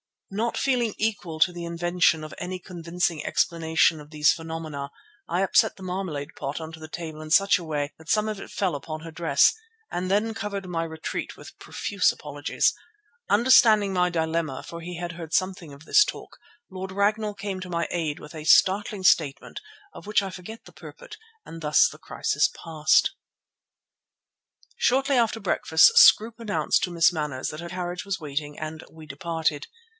Not feeling equal to the invention of any convincing explanation of these phenomena, I upset the marmalade pot on to the table in such a way that some of it fell upon her dress, and then covered my retreat with profuse apologies. Understanding my dilemma, for he had heard something of this talk, Lord Ragnall came to my aid with a startling statement of which I forget the purport, and thus that crisis passed. Shortly after breakfast Scroope announced to Miss Manners that her carriage was waiting, and we departed.